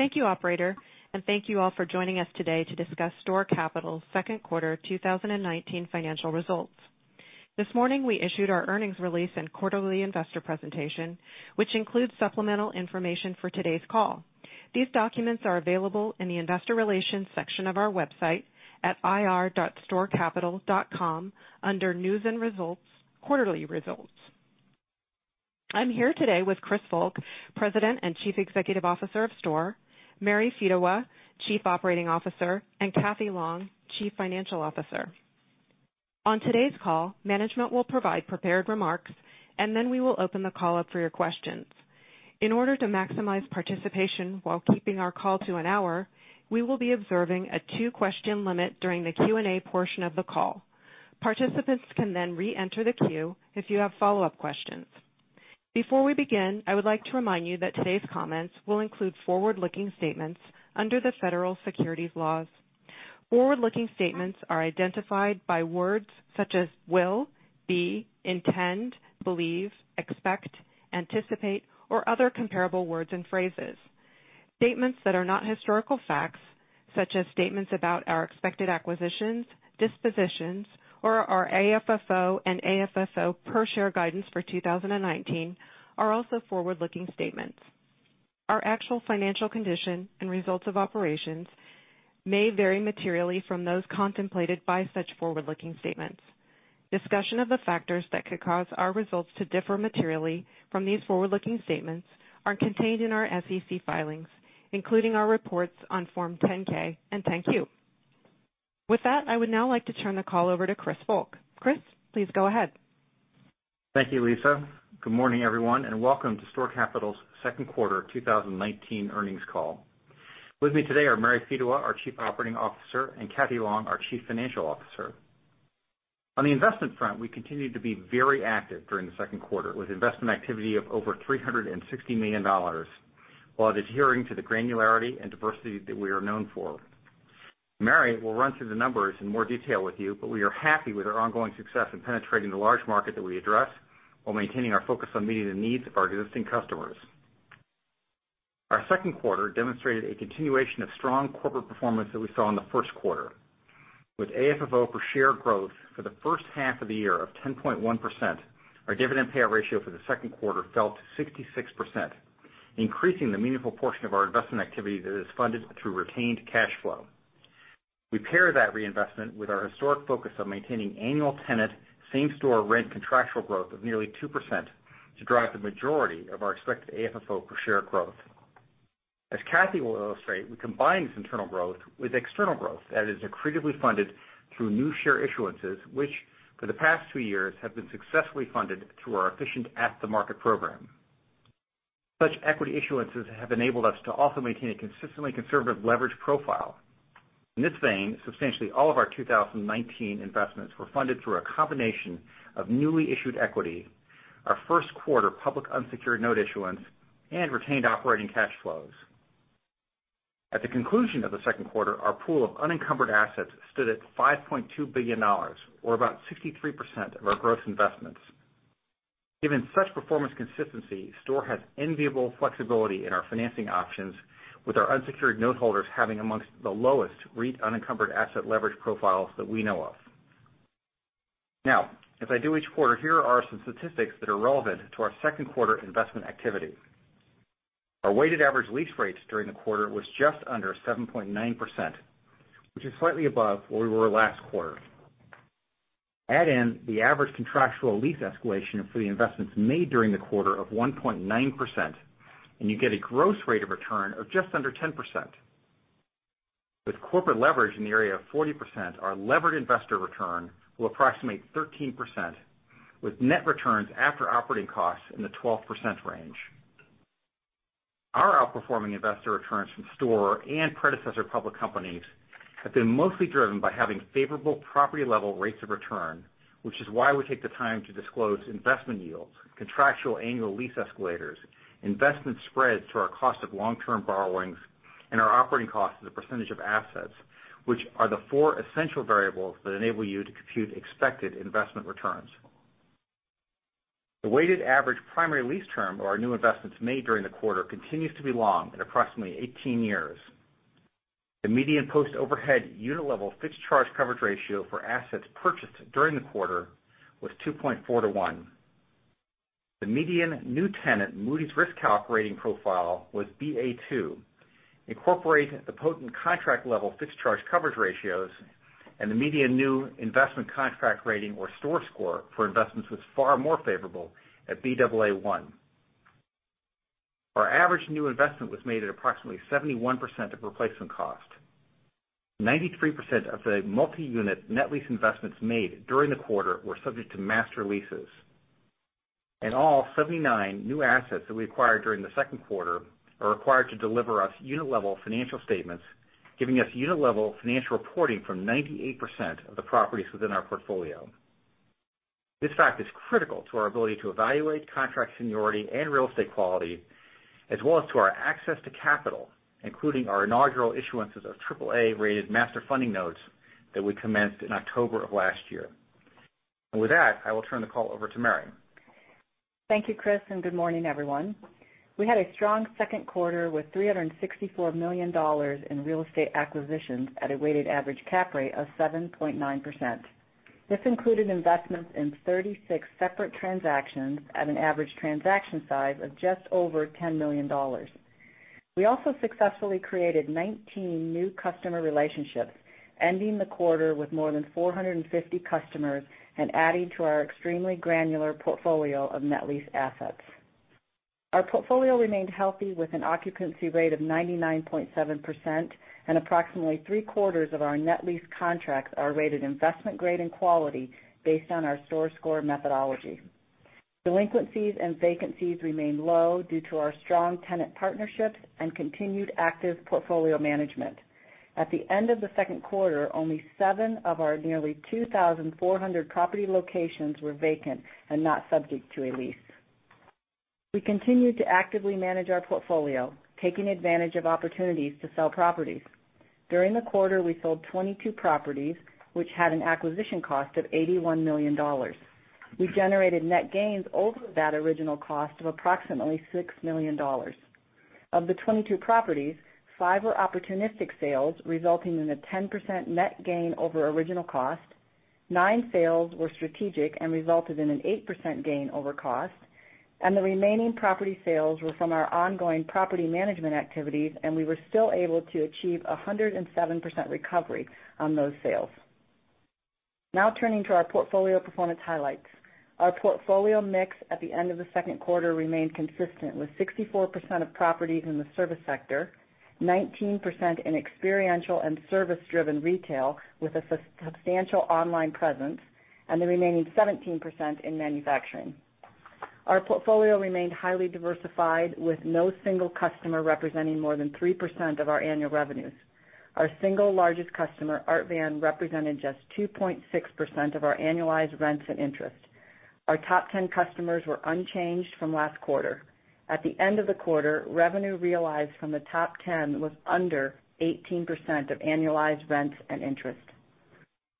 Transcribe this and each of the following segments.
Thank you, Operator, and thank you all for joining us today to discuss STORE Capital's second quarter 2019 financial results. This morning, we issued our earnings release and quarterly investor presentation, which includes supplemental information for today's call. These documents are available in the investor relations section of our website at ir.storecapital.com under news and results, quarterly results. I'm here today with Chris Volk, President and Chief Executive Officer of STORE, Mary Fedewa, Chief Operating Officer, and Catherine Long, Chief Financial Officer. On today's call, management will provide prepared remarks, and then we will open the call up for your questions. In order to maximize participation while keeping our call to an hour, we will be observing a two-question limit during the Q&A portion of the call. Participants can then re-enter the queue if you have follow-up questions. Before we begin, I would like to remind you that today's comments will include forward-looking statements under the Federal Securities laws. Forward-looking statements are identified by words such as will, be, intend, believe, expect, anticipate, or other comparable words and phrases. Statements that are not historical facts, such as statements about our expected acquisitions, dispositions, or our AFFO and AFFO per-share guidance for 2019 are also forward-looking statements. Our actual financial condition and results of operations may vary materially from those contemplated by such forward-looking statements. Discussion of the factors that could cause our results to differ materially from these forward-looking statements are contained in our SEC filings, including our reports on Form 10-K. Thank you. With that, I would now like to turn the call over to Chris Volk. Chris, please go ahead. Thank you, Lisa. Good morning, everyone, and welcome to STORE Capital's second quarter 2019 earnings call. With me today are Mary Fedewa, our Chief Operating Officer, and Catherine Long, our Chief Financial Officer. On the investment front, we continued to be very active during the second quarter, with investment activity of over $360 million, while adhering to the granularity and diversity that we are known for. Mary will run through the numbers in more detail with you, but we are happy with our ongoing success in penetrating the large market that we address while maintaining our focus on meeting the needs of our existing customers. Our second quarter demonstrated a continuation of strong corporate performance that we saw in the first quarter. With AFFO per share growth for the first half of the year of 10.1%, our dividend payout ratio for the second quarter fell to 66%, increasing the meaningful portion of our investment activity that is funded through retained cash flow. We pair that reinvestment with our historic focus on maintaining annual tenant same-store rent contractual growth of nearly 2% to drive the majority of our expected AFFO per share growth. As Cathy will illustrate, we combine this internal growth with external growth that is accretively funded through new share issuances, which for the past two years have been successfully funded through our efficient at-the-market program. Such equity issuances have enabled us to also maintain a consistently conservative leverage profile. In this vein, substantially all of our 2019 investments were funded through a combination of newly issued equity, our first quarter public unsecured note issuance, and retained operating cash flows. At the conclusion of the second quarter, our pool of unencumbered assets stood at $5.2 billion, or about 63% of our gross investments. Given such performance consistency, STORE has enviable flexibility in our financing options with our unsecured note holders having amongst the lowest REIT unencumbered asset leverage profiles that we know of. Now, as I do each quarter, here are some statistics that are relevant to our second quarter investment activity. Our weighted average lease rates during the quarter was just under 7.9%, which is slightly above where we were last quarter. Add in the average contractual lease escalation for the investments made during the quarter of 1.9%, and you get a gross rate of return of just under 10%. With corporate leverage in the area of 40%, our levered investor return will approximate 13%, with net returns after operating costs in the 12% range. Our outperforming investor returns from STORE Capital and predecessor public companies have been mostly driven by having favorable property-level rates of return, which is why we take the time to disclose investment yields, contractual annual lease escalators, investment spreads to our cost of long-term borrowings, and our operating costs as a percentage of assets, which are the four essential variables that enable you to compute expected investment returns. The weighted average primary lease term of our new investments made during the quarter continues to be long at approximately 18 years. The median post-overhead unit-level fixed charge coverage ratio for assets purchased during the quarter was 2.4 to 1. The median new tenant Moody's risk calculating profile was Ba2. Incorporate the potent contract-level fixed charge coverage ratios and the median new investment contract rating or STORE Score for investments was far more favorable at Baa1. Our average new investment was made at approximately 71% of replacement cost. 93% of the multi-unit net lease investments made during the quarter were subject to master leases. All 79 new assets that we acquired during the second quarter are required to deliver us unit-level financial statements, giving us unit-level financial reporting from 98% of the properties within our portfolio. This fact is critical to our ability to evaluate contract seniority and real estate quality, as well as to our access to capital, including our inaugural issuances of AAA-rated master funding notes that we commenced in October of last year. With that, I will turn the call over to Mary. Thank you, Chris. Good morning, everyone. We had a strong second quarter with $364 million in real estate acquisitions at a weighted average cap rate of 7.9%. This included investments in 36 separate transactions at an average transaction size of just over $10 million. We also successfully created 19 new customer relationships, ending the quarter with more than 450 customers and adding to our extremely granular portfolio of net lease assets. Our portfolio remained healthy with an occupancy rate of 99.7%. Approximately three-quarters of our net lease contracts are rated investment grade and quality based on our STORE Score methodology. Delinquencies and vacancies remain low due to our strong tenant partnerships and continued active portfolio management. At the end of the second quarter, only seven of our nearly 2,400 property locations were vacant and not subject to a lease. We continued to actively manage our portfolio, taking advantage of opportunities to sell properties. During the quarter, we sold 22 properties, which had an acquisition cost of $81 million. We generated net gains over that original cost of approximately $6 million. Of the 22 properties, five were opportunistic sales, resulting in a 10% net gain over original cost. Nine sales were strategic and resulted in an 8% gain over cost, and the remaining property sales were from our ongoing property management activities, and we were still able to achieve 107% recovery on those sales. Now turning to our portfolio performance highlights. Our portfolio mix at the end of the second quarter remained consistent, with 64% of properties in the service sector, 19% in experiential and service-driven retail with a substantial online presence, and the remaining 17% in manufacturing. Our portfolio remained highly diversified, with no single customer representing more than 3% of our annual revenues. Our single largest customer, Art Van, represented just 2.6% of our annualized rents and interest. Our top 10 customers were unchanged from last quarter. At the end of the quarter, revenue realized from the top 10 was under 18% of annualized rents and interest.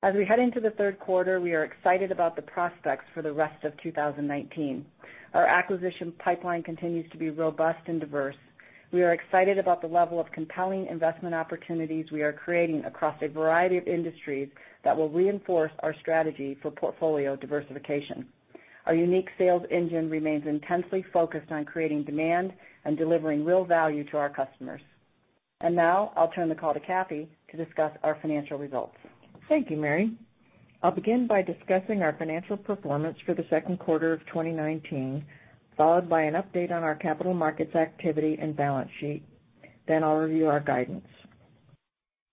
As we head into the third quarter, we are excited about the prospects for the rest of 2019. Our acquisition pipeline continues to be robust and diverse. We are excited about the level of compelling investment opportunities we are creating across a variety of industries that will reinforce our strategy for portfolio diversification. Our unique sales engine remains intensely focused on creating demand and delivering real value to our customers. Now I'll turn the call to Cathy to discuss our financial results. Thank you, Mary. I'll begin by discussing our financial performance for the second quarter of 2019, followed by an update on our capital markets activity and balance sheet. I'll review our guidance.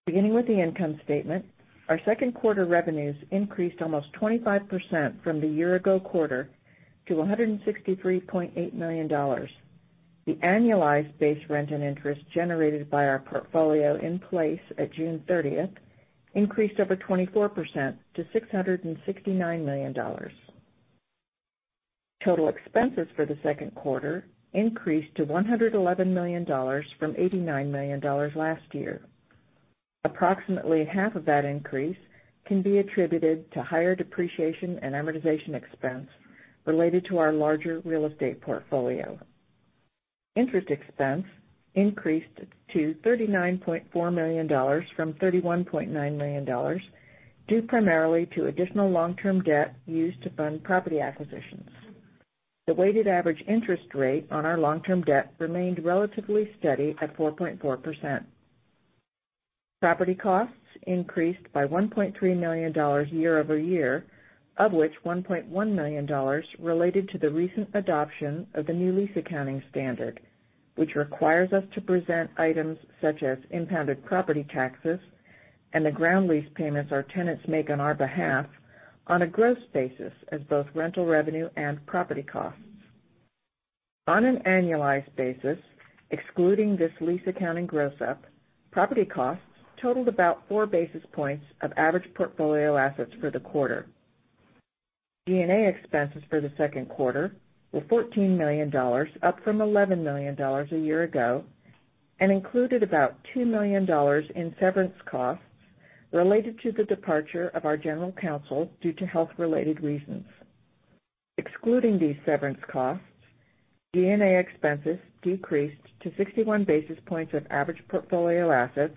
Beginning with the income statement, our second quarter revenues increased almost 25% from the year-ago quarter to $163.8 million. The annualized base rent and interest generated by our portfolio in place at June 30th increased over 24% to $669 million. Total expenses for the second quarter increased to $111 million from $89 million last year. Approximately half of that increase can be attributed to higher depreciation and amortization expense related to our larger real estate portfolio. Interest expense increased to $39.4 million from $31.9 million, due primarily to additional long-term debt used to fund property acquisitions. The weighted average interest rate on our long-term debt remained relatively steady at 4.4%. Property costs increased by $1.3 million year-over-year, of which $1.1 million related to the recent adoption of the new lease accounting standard, which requires us to present items such as impounded property taxes and the ground lease payments our tenants make on our behalf on a gross basis as both rental revenue and property costs. On an annualized basis, excluding this lease accounting gross-up, property costs totaled about four basis points of average portfolio assets for the quarter. G&A expenses for the second quarter were $14 million, up from $11 million a year ago, and included about $2 million in severance costs related to the departure of our general counsel due to health-related reasons. Excluding these severance costs, G&A expenses decreased to 61 basis points of average portfolio assets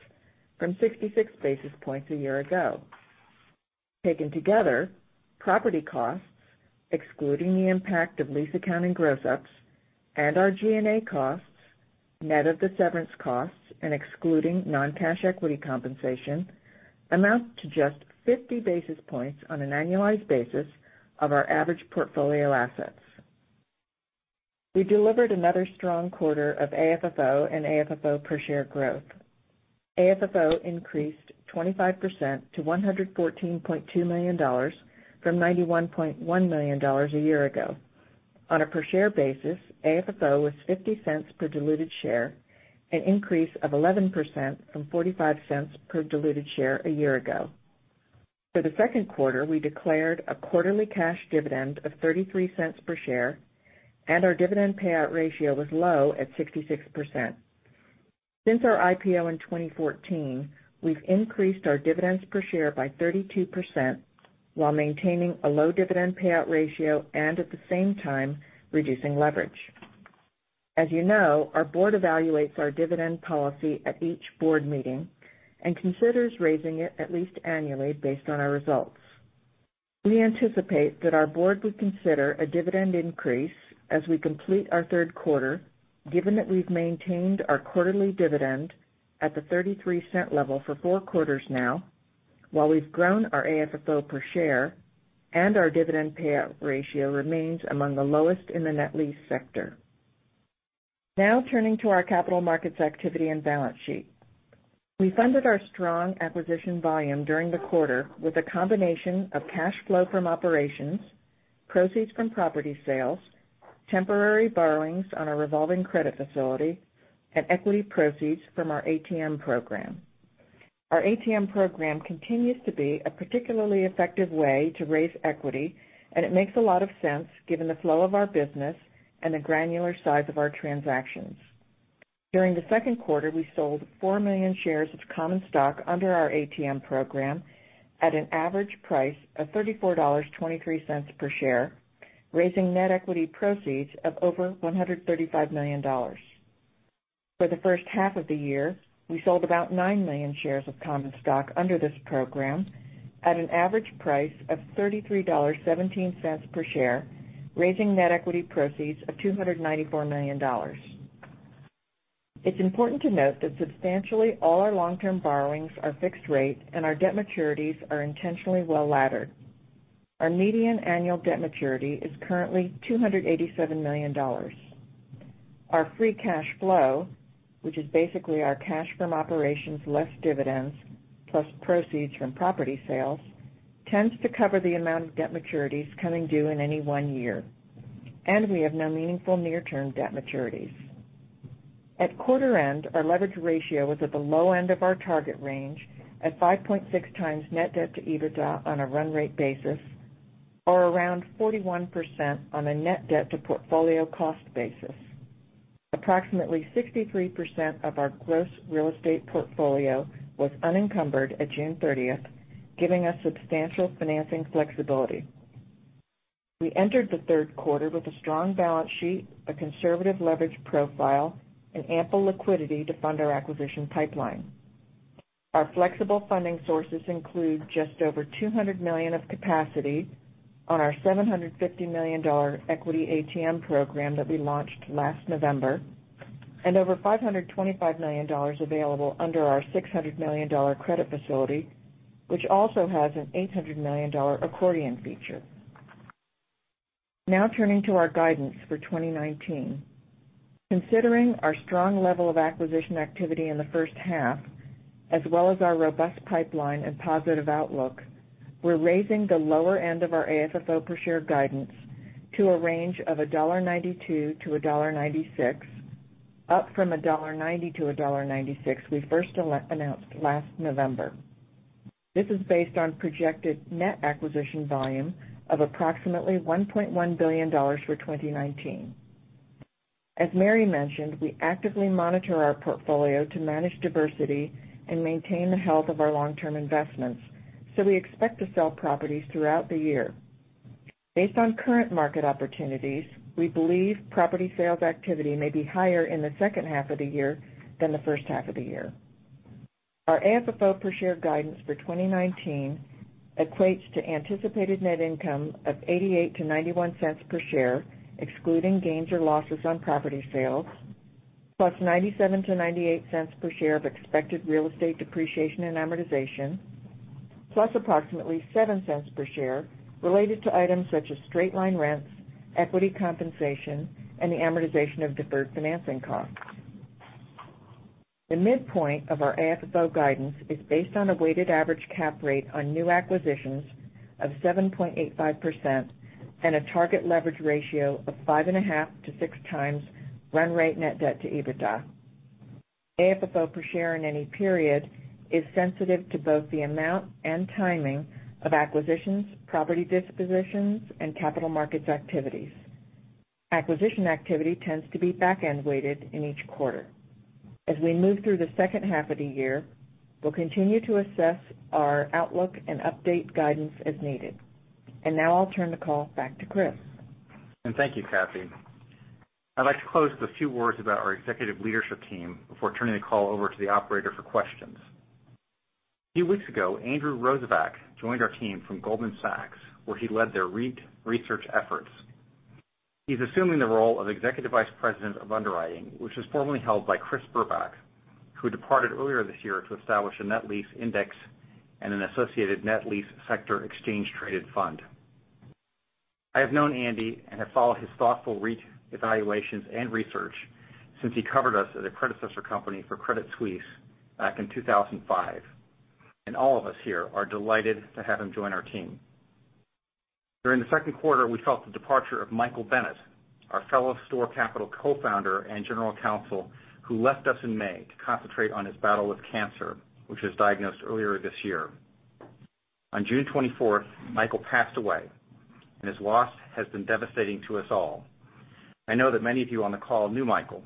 from 66 basis points a year ago. Taken together, property costs, excluding the impact of lease accounting gross-ups and our G&A costs, net of the severance costs and excluding non-cash equity compensation, amount to just 50 basis points on an annualized basis of our average portfolio assets. We delivered another strong quarter of AFFO and AFFO-per-share growth. AFFO increased 25% to $114.2 million from $91.1 million a year ago. On a per share basis, AFFO was $0.50 per diluted share, an increase of 11% from $0.45 per diluted share a year ago. For the second quarter, we declared a quarterly cash dividend of $0.33 per share, and our dividend payout ratio was low at 66%. Since our IPO in 2014, we've increased our dividends per share by 32%, while maintaining a low dividend payout ratio and at the same time, reducing leverage. As you know, our board evaluates our dividend policy at each board meeting and considers raising it at least annually based on our results. We anticipate that our board would consider a dividend increase as we complete our third quarter, given that we've maintained our quarterly dividend at the $0.33 level for four quarters now, while we've grown our AFFO per share and our dividend payout ratio remains among the lowest in the net lease sector. Turning to our capital markets activity and balance sheet. We funded our strong acquisition volume during the quarter with a combination of cash flow from operations, proceeds from property sales, temporary borrowings on our revolving credit facility, and equity proceeds from our ATM program. Our ATM program continues to be a particularly effective way to raise equity, and it makes a lot of sense given the flow of our business and the granular size of our transactions. During the second quarter, we sold 4 million shares of common stock under our ATM program at an average price of $34.23 per share, raising net equity proceeds of over $135 million. For the first half of the year, we sold about 9 million shares of common stock under this program at an average price of $33.17 per share, raising net equity proceeds of $294 million. It's important to note that substantially all our long-term borrowings are fixed rate and our debt maturities are intentionally well-laddered. Our median annual debt maturity is currently $287 million. Our free cash flow, which is basically our cash from operations less dividends plus proceeds from property sales, tends to cover the amount of debt maturities coming due in any one year. We have no meaningful near-term debt maturities. At quarter end, our leverage ratio was at the low end of our target range at 5.6x net debt to EBITDA on a run rate basis, or around 41% on a net debt to portfolio cost basis. Approximately 63% of our gross real estate portfolio was unencumbered at June 30th, giving us substantial financing flexibility. We entered the third quarter with a strong balance sheet, a conservative leverage profile, and ample liquidity to fund our acquisition pipeline. Our flexible funding sources include just over $200 million of capacity on our $750 million equity ATM program that we launched last November, and over $525 million available under our $600 million credit facility, which also has an $800 million accordion feature. Turning to our guidance for 2019. Considering our strong level of acquisition activity in the first half, as well as our robust pipeline and positive outlook, we're raising the lower end of our AFFO per share guidance to a range of $1.92-$1.96, up from $1.90-$1.96 we first announced last November. This is based on projected net acquisition volume of approximately $1.1 billion for 2019. As Mary mentioned, we actively monitor our portfolio to manage diversity and maintain the health of our long-term investments, we expect to sell properties throughout the year. Based on current market opportunities, we believe property sales activity may be higher in the second half of the year than the first half of the year. Our AFFO per share guidance for 2019 equates to anticipated net income of $0.88-$0.91 per share, excluding gains or losses on property sales, plus $0.97-$0.98 per share of expected real estate depreciation and amortization, plus approximately $0.07 per share related to items such as straight-line rents, equity compensation, and the amortization of deferred financing costs. The midpoint of our AFFO guidance is based on a weighted average cap rate on new acquisitions of 7.85% and a target leverage ratio of 5.5x-6x run rate net debt to EBITDA. AFFO per share in any period is sensitive to both the amount and timing of acquisitions, property dispositions, and capital markets activities. Acquisition activity tends to be back-end weighted in each quarter. As we move through the second half of the year, we'll continue to assess our outlook and update guidance as needed. Now I'll turn the call back to Chris. Thank you, Cathy. I'd like to close with a few words about our executive leadership team before turning the call over to the operator for questions. A few weeks ago, Andrew Rosivach joined our team from Goldman Sachs, where he led their REIT research efforts. He's assuming the role of Executive Vice President of Underwriting, which was formerly held by Chris Burbach, who departed earlier this year to establish a net lease index and an associated net lease sector exchange traded fund. I have known Andy and have followed his thoughtful REIT evaluations and research since he covered us at a predecessor company for Credit Suisse back in 2005, and all of us here are delighted to have him join our team. During the second quarter, we felt the departure of Michael Bennett, our fellow STORE Capital co-founder and General Counsel, who left us in May to concentrate on his battle with cancer, which was diagnosed earlier this year. On June 24th, Michael passed away. His loss has been devastating to us all. I know that many of you on the call knew Michael.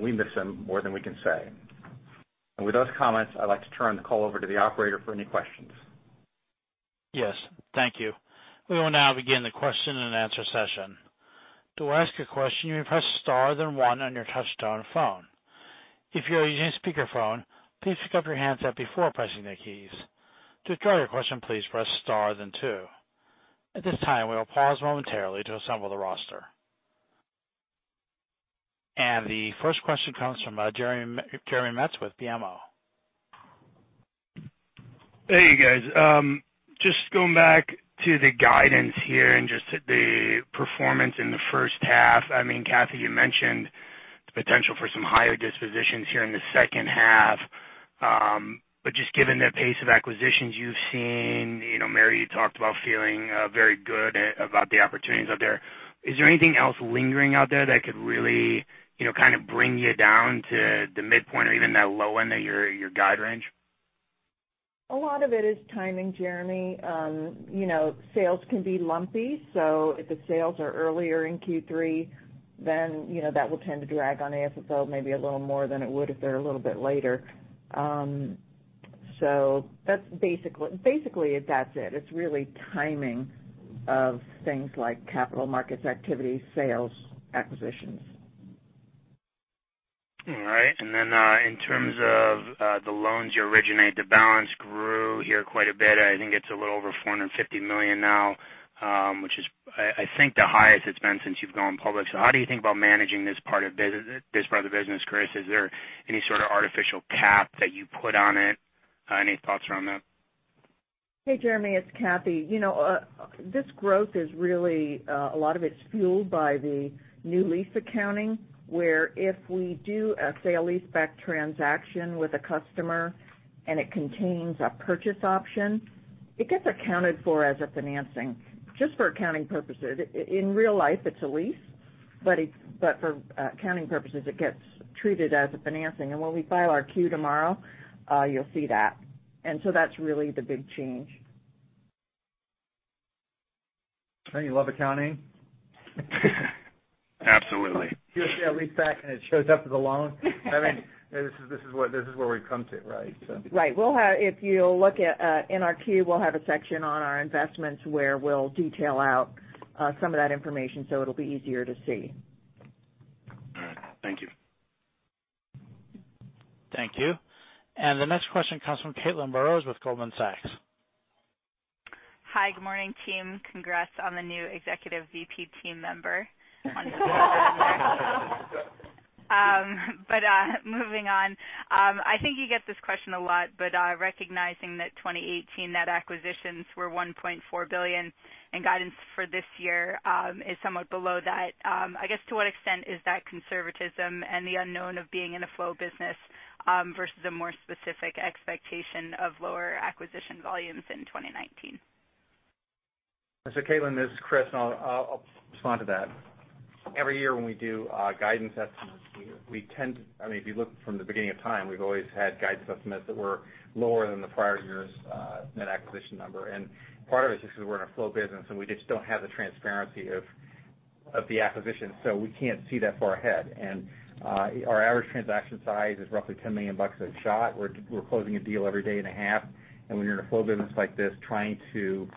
We miss him more than we can say. With those comments, I'd like to turn the call over to the operator for any questions. Yes. Thank you. We will now begin the question and answer session. To ask a question, you may press star then one on your touchtone phone. If you are using a speakerphone, please pick up your handset before pressing the keys. To withdraw your question, please press star then two. At this time, we will pause momentarily to assemble the roster. The first question comes from Jeremy Metz with BMO. Hey, you guys. Just going back to the guidance here and just the performance in the first half. Cathy, you mentioned the potential for some higher dispositions here in the second half. Just given the pace of acquisitions you've seen, Mary, you talked about feeling very good about the opportunities out there. Is there anything else lingering out there that could really bring you down to the midpoint or even that low end of your guide range? A lot of it is timing, Jeremy. Sales can be lumpy, so if the sales are earlier in Q3, then that will tend to drag on AFFO maybe a little more than it would if they're a little bit later. Basically, that's it. It's really timing of things like capital markets activity, sales, acquisitions. All right. In terms of the loans you originate, the balance grew here quite a bit. I think it's a little over $450 million now, which is, I think, the highest it's been since you've gone public. How do you think about managing this part of the business, Chris? Is there any sort of artificial cap that you put on it? Any thoughts around that? Hey, Jeremy, it's Cathy. This growth is really, a lot of it's fueled by the new lease accounting, where if we do a sale-leaseback transaction with a customer and it contains a purchase option, it gets accounted for as a financing just for accounting purposes. In real life, it's a lease, but for accounting purposes, it gets treated as a financing. When we file our Q tomorrow, you'll see that. That's really the big change. Don't you love accounting? Absolutely. You'll see a leaseback, and it shows up as a loan. This is what we've come to, right? Right. If you look in our Q, we'll have a section on our investments where we'll detail out some of that information, so it'll be easier to see. All right. Thank you. Thank you. The next question comes from Caitlin Burrows with Goldman Sachs. Hi. Good morning, team. Congrats on the new Executive VP team member. Moving on. I think you get this question a lot, but recognizing that 2018 net acquisitions were $1.4 billion and guidance for this year is somewhat below that, I guess to what extent is that conservatism and the unknown of being in a flow business versus a more specific expectation of lower acquisition volumes in 2019? Caitlin, this is Chris, I'll respond to that. Every year when we do guidance estimates, if you look from the beginning of time, we've always had guidance estimates that were lower than the prior year's net acquisition number. Part of it is just we're in a flow business, we just don't have the transparency of the acquisition, so we can't see that far ahead. Our average transaction size is roughly $10 million a shot. We're closing a deal every day and a half, and when you're in a flow business like this, and you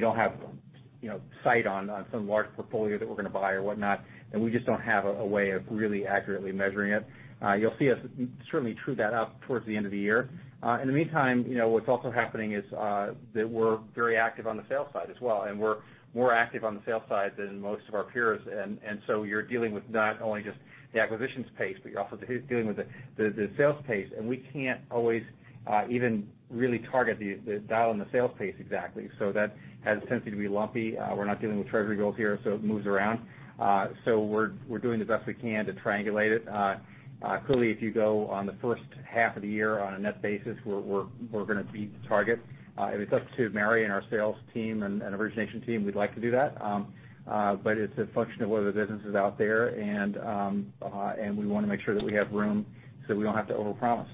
don't have sight on some large portfolio that we're going to buy or whatnot, and we just don't have a way of really accurately measuring it. You'll see us certainly true that out towards the end of the year. In the meantime, what's also happening is that we're very active on the sales side as well, and we're more active on the sales side than most of our peers. You're dealing with not only just the acquisitions pace, but you're also dealing with the sales pace. We can't always even really target the dial on the sales pace exactly. That has a tendency to be lumpy. We're not dealing with treasury bills here, so it moves around. We're doing the best we can to triangulate it. Clearly, if you go on the first half of the year on a net basis, we're going to beat the target. If it's up to Mary and our sales team and origination team, we'd like to do that. It's a function of where the business is out there, and we want to make sure that we have room so we don't have to overpromise.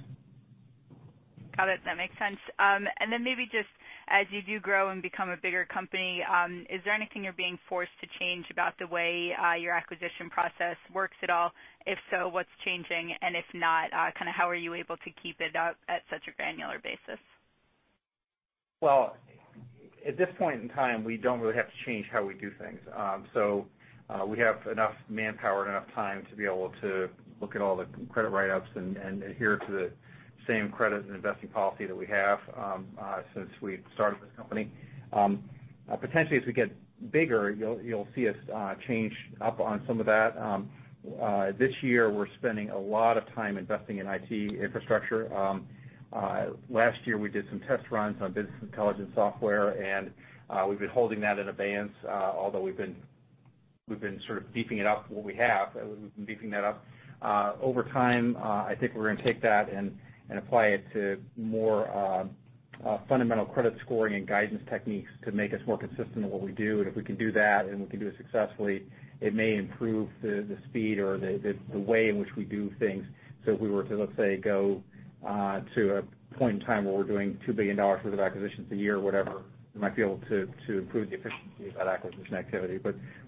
Got it. That makes sense. Then maybe just as you do grow and become a bigger company, is there anything you're being forced to change about the way your acquisition process works at all? If so, what's changing? If not, how are you able to keep it up at such a granular basis? Well, at this point in time, we don't really have to change how we do things. We have enough manpower and enough time to be able to look at all the credit write-ups and adhere to the same credit and investing policy that we have since we started this company. Potentially, as we get bigger, you'll see us change up on some of that. This year, we're spending a lot of time investing in IT infrastructure. Last year, we did some test runs on business intelligence software, and we've been holding that in abeyance. Although we've been sort of beefing it up, what we have, we've been beefing that up. Over time, I think we're going to take that and apply it to more fundamental credit scoring and guidance techniques to make us more consistent in what we do. If we can do that, and we can do it successfully, it may improve the speed or the way in which we do things. If we were to, let's say, go to a point in time where we're doing $2 billion worth of acquisitions a year, whatever, we might be able to improve the efficiency of that acquisition activity.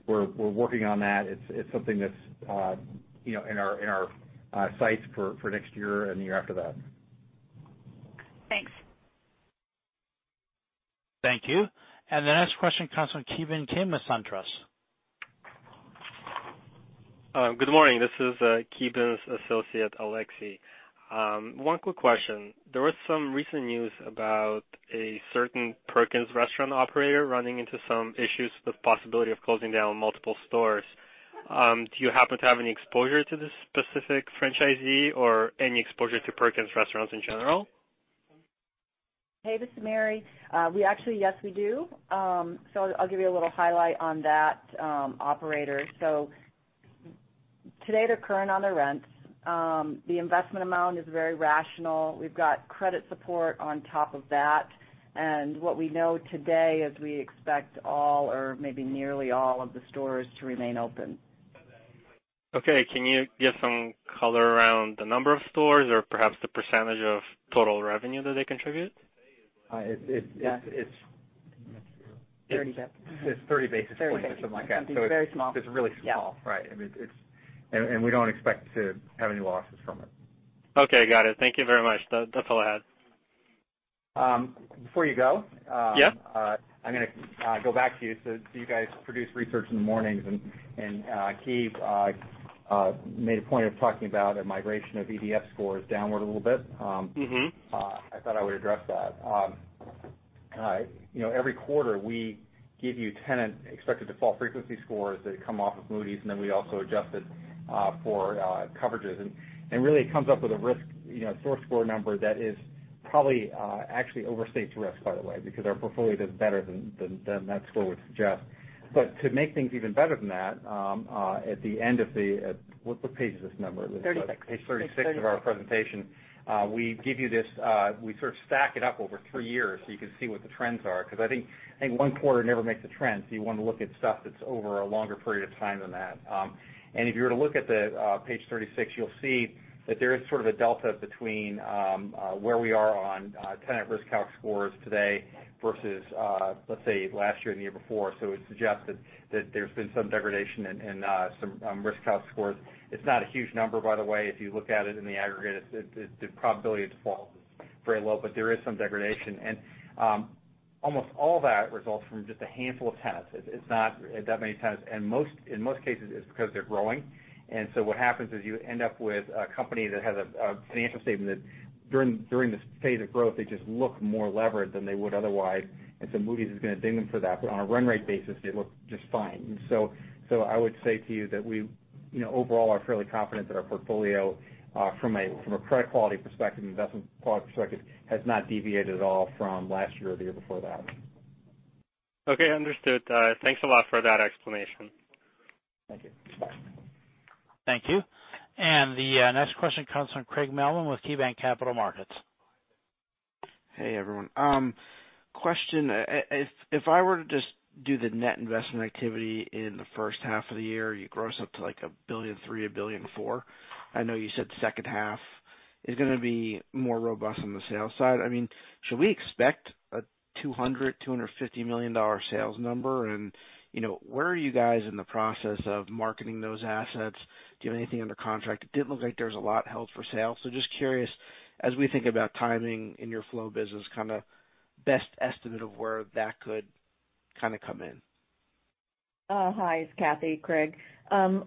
We're working on that. It's something that's in our sights for next year and the year after that. Thanks. Thank you. The next question comes from Kevin Kim at SunTrust. Good morning. This is Kevin's associate, Alexi. One quick question. There was some recent news about a certain Perkins Restaurant operator running into some issues with possibility of closing down multiple stores. Do you happen to have any exposure to this specific franchisee or any exposure to Perkins Restaurants in general? Hey, this is Mary. We actually, yes, we do. I'll give you a little highlight on that operator. Today, they're current on their rents. The investment amount is very rational. We've got credit support on top of that, and what we know today is we expect all or maybe nearly all of the stores to remain open. Okay. Can you give some color around the number of stores or perhaps the percentage of total revenue that they contribute? It's- 30 basis points. It's 30 basis points or something like that. Very small. It's really small. Yeah. Right. We don't expect to have any losses from it. Okay, got it. Thank you very much. That's all I had. Before you go- Yeah I'm going to go back to you. You guys produce research in the mornings, and Kev made a point of talking about a migration of EDF scores downward a little bit. I thought I would address that. Every quarter, we give you tenant expected default frequency scores that come off of Moody's, then we also adjust it for coverages. Really, it comes up with a risk score number that is probably actually overstates risk, by the way, because our portfolio does better than that score would suggest. To make things even better than that, at the end of the What page is this number? Thirty-six. Page 36 of our presentation. We give you this. We sort of stack it up over 3 years so you can see what the trends are, because I think one quarter never makes a trend. You want to look at stuff that's over a longer period of time than that. If you were to look at page 36, you'll see that there is sort of a delta between where we are on tenant STORE Scores today versus, let's say, last year and the year before. It suggests that there's been some degradation in some STORE Scores. It's not a huge number, by the way, if you look at it in the aggregate. The probability of default is very low, but there is some degradation. Almost all that results from just a handful of tenants. It's not that many tenants. In most cases, it's because they're growing. What happens is you end up with a company that has a financial statement that during this phase of growth, they just look more levered than they would otherwise. Moody's is going to ding them for that. On a run rate basis, they look just fine. I would say to you that we overall are fairly confident that our portfolio, from a credit quality perspective, investment quality perspective, has not deviated at all from last year or the year before that. Okay. Understood. Thanks a lot for that explanation. Thank you. Thank you. The next question comes from Craig Mailman with KeyBanc Capital Markets. Hey, everyone. Question. If I were to just do the net investment activity in the first half of the year, you gross up to like a $1.3 billion, a $1.4 billion. I know you said second half is going to be more robust on the sales side. Should we expect a $200, $250 million sales number? Where are you guys in the process of marketing those assets? Do you have anything under contract? It didn't look like there was a lot held for sale. Just curious, as we think about timing in your flow business, kind of best estimate of where that could kind of come in. Hi, it's Cathy, Craig. My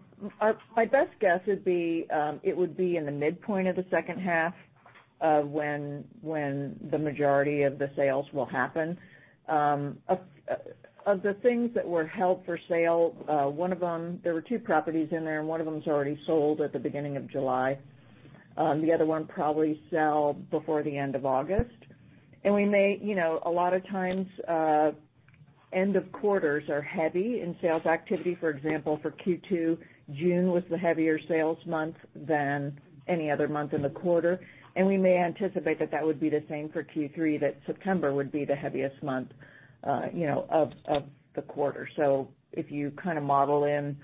best guess would be it would be in the midpoint of the second half when the majority of the sales will happen. Of the things that were held for sale, there were two properties in there, and one of them is already sold at the beginning of July. The other one probably sell before the end of August. A lot of times end of quarters are heavy in sales activity. For example, for Q2, June was the heavier sales month than any other month in the quarter. We may anticipate that would be the same for Q3, that September would be the heaviest month of the quarter. If you kind of model in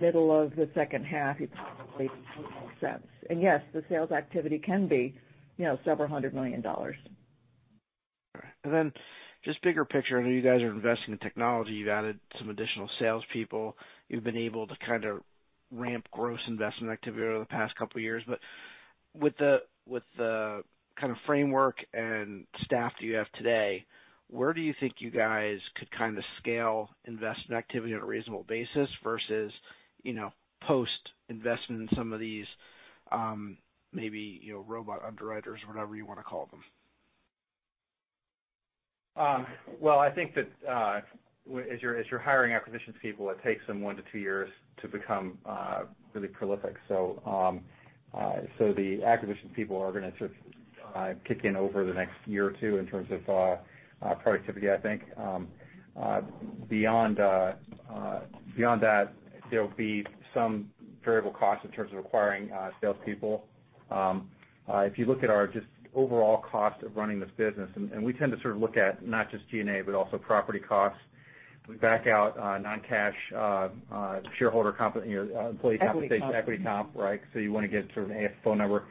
middle of the second half, you'd probably make more sense. Yes, the sales activity can be $several hundred million. All right. Just bigger picture. I know you guys are investing in technology. You've added some additional sales people. You've been able to kind of ramp gross investment activity over the past couple of years. With the kind of framework and staff that you have today, where do you think you guys could kind of scale investment activity on a reasonable basis versus post investment in some of these maybe robot underwriters, whatever you want to call them? Well, I think that as you're hiring acquisitions people, it takes them one to two years to become really prolific. The acquisitions people are going to sort of kick in over the next year or two in terms of productivity, I think. Beyond that, there'll be some variable costs in terms of acquiring salespeople. If you look at our just overall cost of running this business, and we tend to sort of look at not just G&A, but also property costs. We back out non-cash shareholder comp, employee compensation- Equity comp. Equity comp, right. you want to get sort of AFFO number,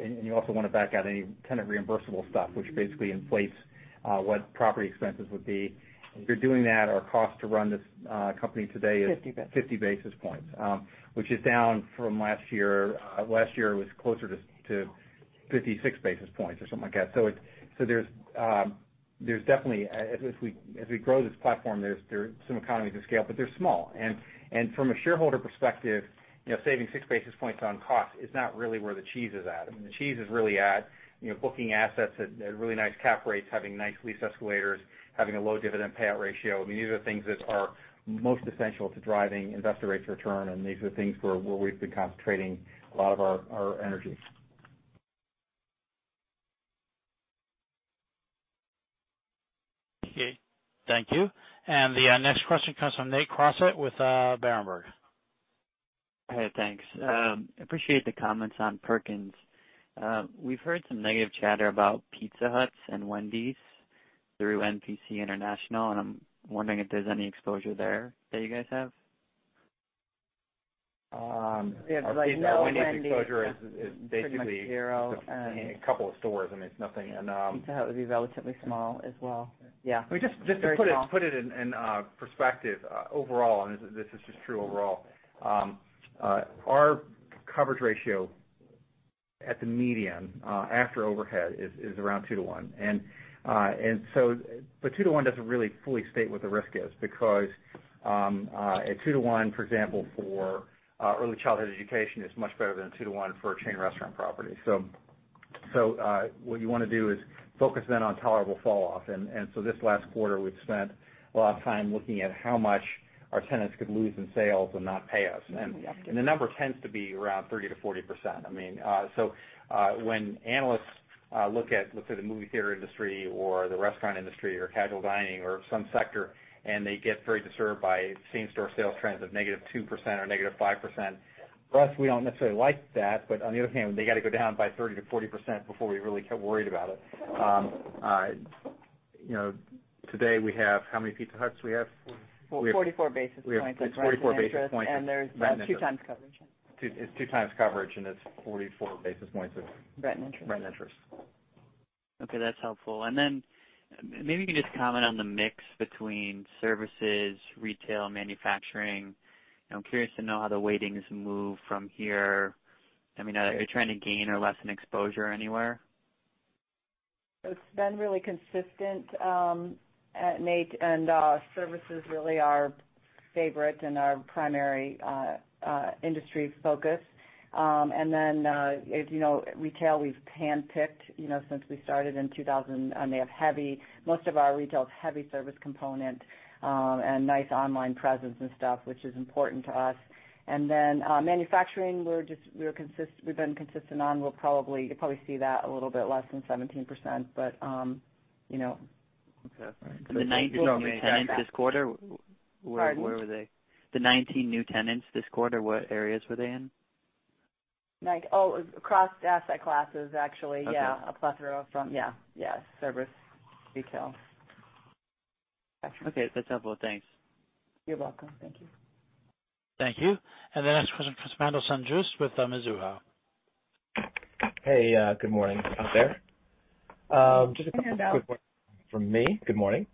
and you also want to back out any tenant reimbursable stuff, which basically inflates what property expenses would be. If you're doing that, our cost to run this company today is. 50 basis 50 basis points, which is down from last year. Last year was closer to 56 basis points or something like that. There's definitely, as we grow this platform, there's some economies of scale, but they're small. From a shareholder perspective, saving six basis points on cost is not really where the cheese is at. I mean, the cheese is really at booking assets at really nice cap rates, having nice lease escalators, having a low dividend payout ratio. I mean, these are the things that are most essential to driving investor rates return, and these are things where we've been concentrating a lot of our energy. Okay, thank you. The next question comes from Nate Crossett with Berenberg. Hey, thanks. Appreciate the comments on Perkins. We've heard some negative chatter about Pizza Huts and Wendy's through NPC International, and I'm wondering if there's any exposure there that you guys have? Our Pizza Hut, Wendy's exposure is basically. Pretty much zero. a couple of stores. I mean, it's nothing. Pizza Hut would be relatively small as well. Yeah. Very small. Just to put it in perspective, overall, this is just true overall, our coverage ratio at the median, after overhead, is around two to one. The two to one doesn't really fully state what the risk is because, a two to one, for example, for early childhood education is much better than a two to one for a chain restaurant property. What you want to do is focus then on tolerable falloff, this last quarter, we've spent a lot of time looking at how much our tenants could lose in sales and not pay us. The number tends to be around 30%-40%. I mean, when analysts look at the movie theater industry or the restaurant industry or casual dining or some sector, and they get very disturbed by same store sales trends of -2% or -5%. For us, we don't necessarily like that, but on the other hand, they got to go down by 30%-40% before we really get worried about it. Today we have How many Pizza Huts we have? Well, 44 basis points. We have 44 basis points. There's two times coverage. It's two times coverage, and it's 44 basis points. Rent and interest rent and interest. Okay, that's helpful. Then maybe you can just comment on the mix between services, retail, manufacturing. I'm curious to know how the weighting's moved from here. I mean, are you trying to gain or lessen exposure anywhere? It's been really consistent, Nate. Services really are our favorite and our primary industry focus. Then as you know, retail, we've handpicked since we started in 2000, and most of our retail is heavy service component, and nice online presence and stuff, which is important to us. Then manufacturing, we've been consistent on. You'll probably see that a little bit less than 17%. Okay. The 19 new tenants this quarter. Pardon? Where were they? The 19 new tenants this quarter, what areas were they in? Oh, across asset classes, actually. Okay. Yeah, a plethora from service, retail. Okay, that's helpful. Thanks. You're welcome. Thank you. Thank you. The next question from Haendel St. Juste with Mizuho. Hey, good morning out there. Just a quick one from me. Good morning.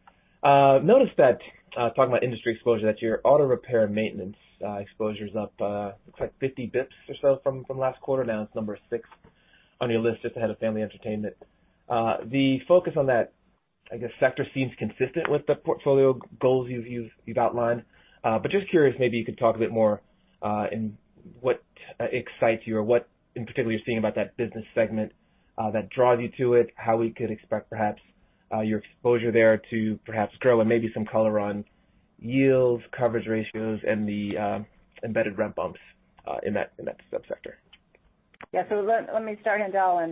Noticed that, talking about industry exposure, that your auto repair and maintenance exposure's up, looks like 50 bips or so from last quarter. Now it's number 6 on your list, just ahead of family entertainment. The focus on that, I guess, sector seems consistent with the portfolio goals you've outlined. Just curious, maybe you could talk a bit more in what excites you or what in particular you're seeing about that business segment, that draws you to it, how we could expect perhaps your exposure there to perhaps grow, and maybe some color on yields, coverage ratios, and the embedded rent bumps, in that subsector. Yeah. Let me start, Haendel,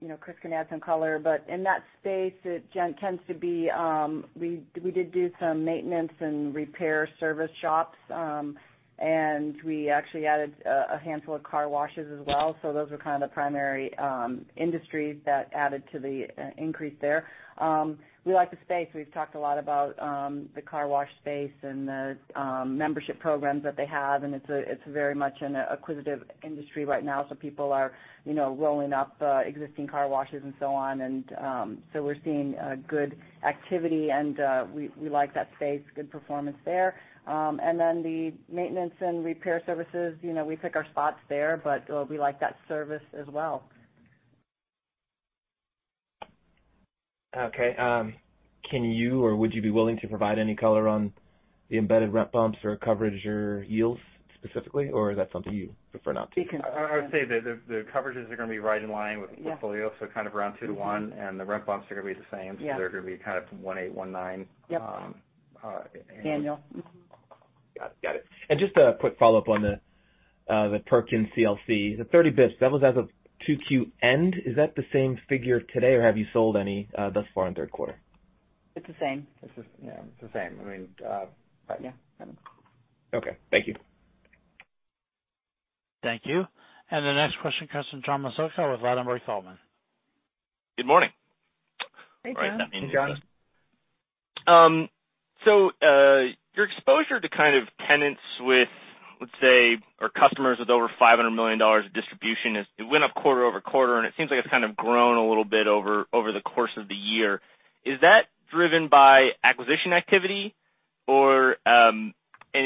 and Chris can add some color. In that space, it tends to be, we did do some maintenance and repair service shops, and we actually added a handful of car washes as well. Those are kind of the primary industries that added to the increase there. We like the space. We've talked a lot about the car wash space and the membership programs that they have, and it's very much an acquisitive industry right now. People are rolling up existing car washes and so on. We're seeing good activity, and we like that space, good performance there. The maintenance and repair services, we pick our spots there, we like that service as well. Okay. Can you, or would you be willing to provide any color on the embedded rent bumps or coverage or yields specifically, or is that something you prefer not to? We can. I would say the coverages are gonna be right in line with the portfolio. Yeah. Kind of around two to one, and the rent bumps are going to be the same. Yeah. They're gonna be kind of 18, 19. Yep. Haendel. Got it. Just a quick follow-up on the Perkins CLC, the 30 basis points, that was as of 2Q end. Is that the same figure today, or have you sold any thus far in third quarter? It's the same. It's the same. Yeah. Okay. Thank you. Thank you. The next question comes from John Massocca with Ladenburg Thalmann. Good morning. Hey, John. Hey, John. Your exposure to kind of tenants with, let's say, or customers with over $500 million of distribution, it went up quarter-over-quarter, and it seems like it's kind of grown a little bit over the course of the year. Is that driven by acquisition activity?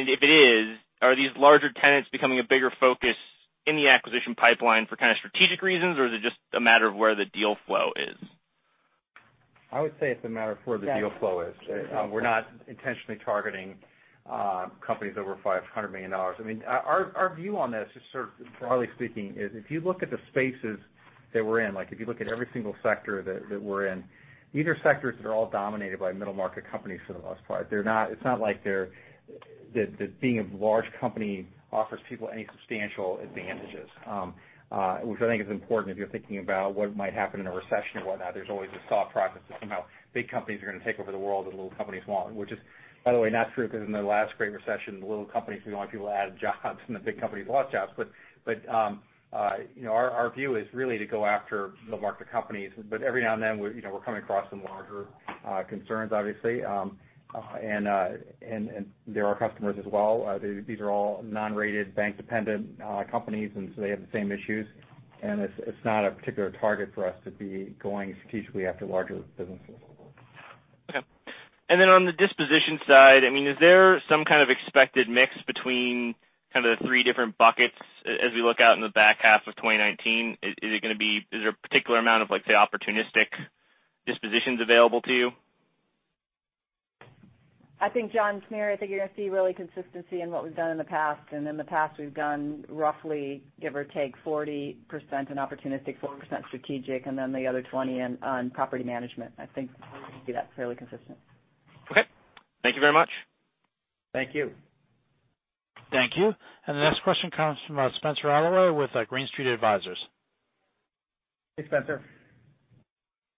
If it is, are these larger tenants becoming a bigger focus in the acquisition pipeline for kind of strategic reasons, or is it just a matter of where the deal flow is? I would say it's a matter of where the deal flow is. We're not intentionally targeting companies over $500 million. Our view on this, just sort of broadly speaking, is if you look at the spaces that we're in, if you look at every single sector that we're in, these are sectors that are all dominated by middle-market companies for the most part. It's not like being a large company offers people any substantial advantages, which I think is important if you're thinking about what might happen in a recession or whatnot. There's always this soft prophecy somehow big companies are going to take over the world, little companies won't. Which is, by the way, not true, because in the last great recession, the little companies were the only people who added jobs and the big companies lost jobs. Our view is really to go after middle-market companies, but every now and then, we're coming across some larger concerns, obviously. They're our customers as well. These are all non-rated bank-dependent companies, and so they have the same issues. It's not a particular target for us to be going strategically after larger businesses. Okay. On the disposition side, is there some kind of expected mix between the three different buckets as we look out in the back half of 2019? Is there a particular amount of, say, opportunistic dispositions available to you? I think, John, to Mary, I think you're going to see really consistency in what we've done in the past. In the past, we've done roughly, give or take, 40% in opportunistic, 40% strategic, and then the other 20 on property management. I think we're going to see that fairly consistent. Okay. Thank you very much. Thank you. Thank you. The next question comes from Spencer Allred with Green Street Advisors. Hey, Spencer.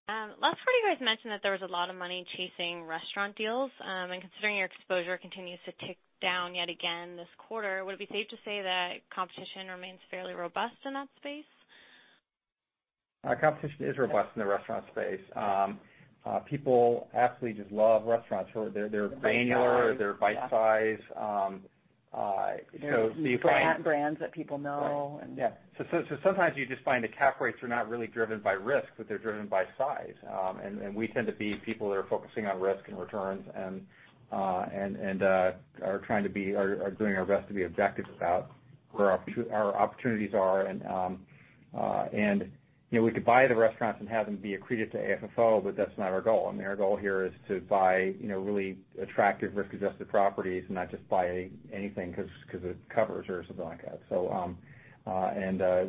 Last quarter, you guys mentioned that there was a lot of money chasing restaurant deals. Considering your exposure continues to tick down yet again this quarter, would it be safe to say that competition remains fairly robust in that space? Competition is robust in the restaurant space. People absolutely just love restaurants. They're granular, they're bite-size. They're brands that people know. Sometimes you just find the cap rates are not really driven by risk, but they're driven by size. We tend to be people that are focusing on risk and returns and are doing our best to be objective about where our opportunities are. We could buy the restaurants and have them be accreted to AFFO, but that's not our goal. Our goal here is to buy really attractive risk-adjusted properties and not just buy anything because it covers or something like that.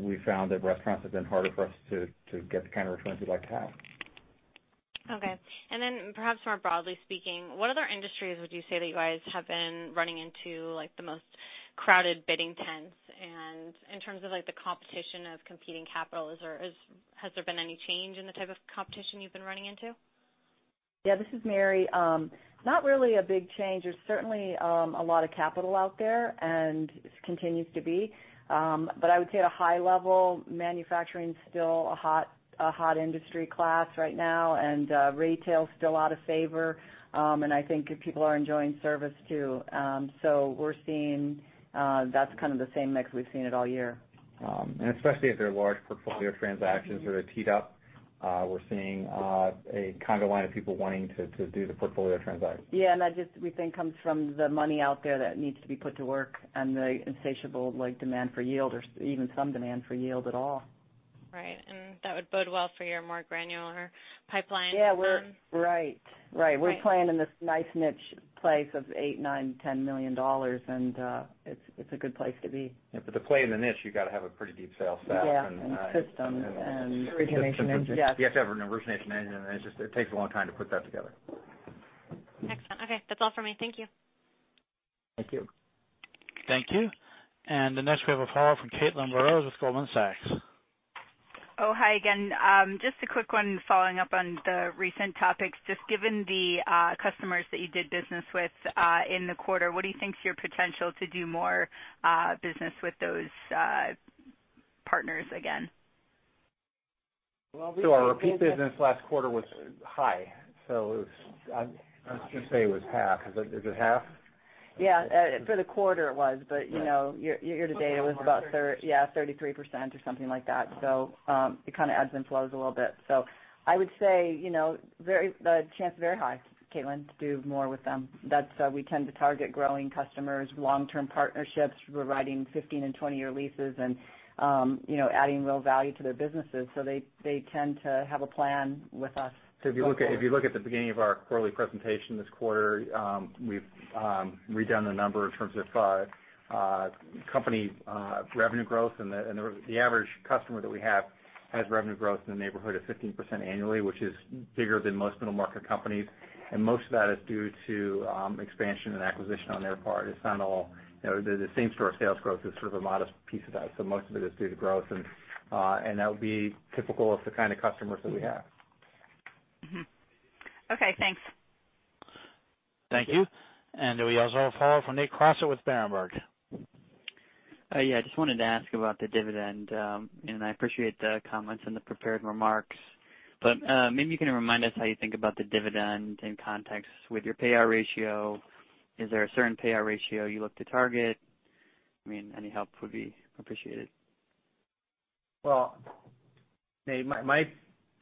We've found that restaurants have been harder for us to get the kind of returns we'd like to have. Okay. Perhaps more broadly speaking, what other industries would you say that you guys have been running into the most crowded bidding tents? In terms of the competition of competing capital, has there been any change in the type of competition you've been running into? Yeah, this is Mary. Not really a big change. There's certainly a lot of capital out there and continues to be. I would say at a high level, manufacturing's still a hot industry class right now, and retail is still out of favor. I think people are enjoying service too. We're seeing that's kind of the same mix we've seen it all year. Especially if they're large portfolio transactions that are teed up. We're seeing a kind of line of people wanting to do the portfolio transaction. Yeah, that just, we think, comes from the money out there that needs to be put to work and the insatiable demand for yield or even some demand for yield at all. Right. That would bode well for your more granular pipeline. Yeah. Right. We're playing in this nice niche place of $8, $9, $10 million, and it's a good place to be. To play in the niche, you got to have a pretty deep sales staff. Yeah, and systems. Origination engine. You have to have an origination engine. It takes a long time to put that together. Excellent. Okay. That's all for me. Thank you. Thank you. Thank you. Next, we have a follow-up from Caitlin Burrows with Goldman Sachs. Oh, hi again. Just a quick one following up on the recent topics. Just given the customers that you did business with in the quarter, what do you think is your potential to do more business with those partners again? Our repeat business last quarter was high. I was going to say it was half. Is it half? Yeah. For the quarter it was, but year to date it was about 33% or something like that. It kind of ebbs and flows a little bit. I would say the chances are very high, Caitlin, to do more with them. We tend to target growing customers, long-term partnerships, providing 15 and 20-year leases and adding real value to their businesses, so they tend to have a plan with us. If you look at the beginning of our quarterly presentation this quarter, we've redone the number in terms of company revenue growth, and the average customer that we have has revenue growth in the neighborhood of 15% annually, which is bigger than most middle-market companies. Most of that is due to expansion and acquisition on their part. The same-store sales growth is sort of a modest piece of that. Most of it is due to growth, and that would be typical of the kind of customers that we have. Okay, thanks. Thank you. We also have follow from Nate Crossett with Berenberg. Yeah. Just wanted to ask about the dividend. I appreciate the comments and the prepared remarks, but maybe you can remind us how you think about the dividend in context with your payout ratio. Is there a certain payout ratio you look to target? Any help would be appreciated. Well, Nate, my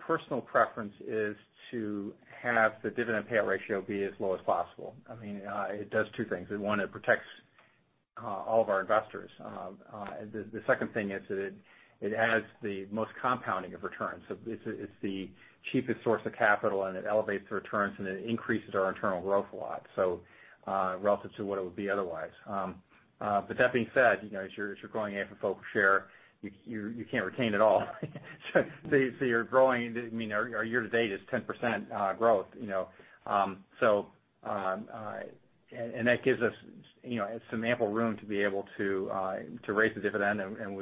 personal preference is to have the dividend payout ratio be as low as possible. It does two things. One, it protects all of our investors. The second thing is that it adds the most compounding of returns. It's the cheapest source of capital, and it elevates the returns, and it increases our internal growth a lot, so relative to what it would be otherwise. That being said, as you're growing AFFO per share, you can't retain it all. You're growing. Our year-to-date is 10% growth. That gives us some ample room to be able to raise the dividend, and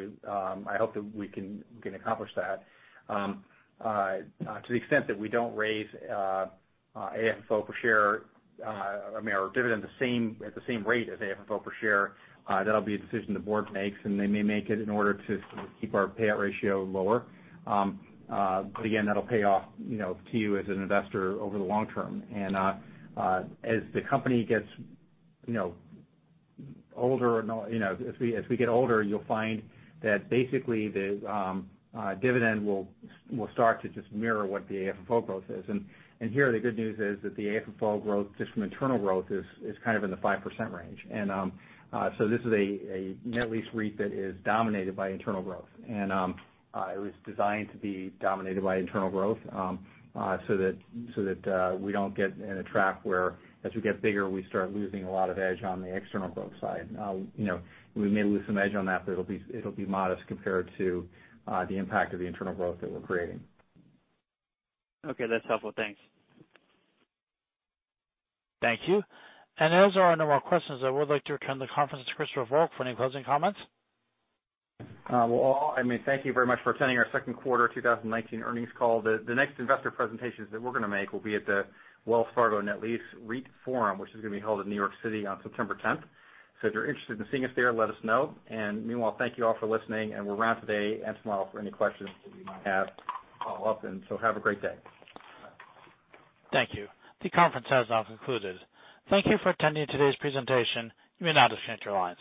I hope that we can accomplish that. To the extent that we don't raise our dividend at the same rate as AFFO per share, that'll be a decision the board makes, and they may make it in order to keep our payout ratio lower. Again, that'll pay off to you as an investor over the long term. As the company gets older, as we get older, you'll find that basically the dividend will start to just mirror what the AFFO growth is. Here, the good news is that the AFFO growth, just from internal growth, is kind of in the 5% range. This is a net lease REIT that is dominated by internal growth. It was designed to be dominated by internal growth so that we don't get in a trap where as we get bigger, we start losing a lot of edge on the external growth side. We may lose some edge on that, but it'll be modest compared to the impact of the internal growth that we're creating. Okay, that's helpful. Thanks. Thank you. Those are all our questions. I would like to return the conference to Christopher Volk for any closing comments. Well, thank you very much for attending our second quarter 2019 earnings call. The next investor presentations that we're going to make will be at the Wells Fargo Net Lease REIT Forum, which is going to be held in New York City on September 10th. If you're interested in seeing us there, let us know. Meanwhile, thank you all for listening, and we're around today and tomorrow for any questions that you might have follow-up. So have a great day. Thank you. The conference has now concluded. Thank you for attending today's presentation. You may now disconnect your lines.